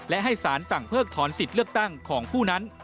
และให้สารสั่งเพิกถอนสิทธิ์เลือกตั้งของผู้นั้น